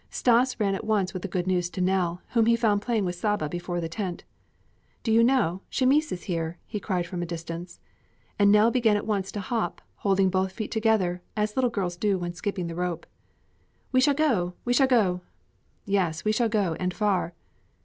Stas ran at once with the good news to Nell, whom he found playing with Saba before the tent. "Do you know Chamis is here!" he cried from a distance. And Nell began at once to hop, holding both feet together, as little girls do when skipping the rope. "We shall go! We shall go!" "Yes. We shall go, and far."